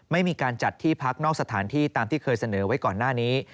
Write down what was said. ไม่มีการจัดที่พักนอกสถานที่ตามที่เคยเสนอไว้ก่อนหน้านี้